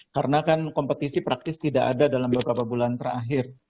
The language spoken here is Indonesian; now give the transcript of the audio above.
karena kan kompetisi praktis tidak ada dalam beberapa bulan terakhir